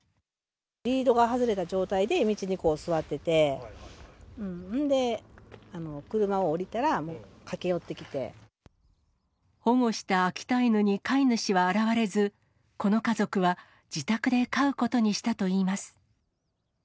リードが外れた状態で、道に座ってて、それで、保護した秋田犬に飼い主は現れず、この家族は自宅で飼うことにしたといいます。